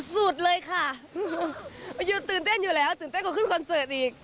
สุดเลยค่ะมายืนตื่นเต้นอยู่แล้วตื่นเต้นกว่าขึ้นคอนเสิร์ตอีก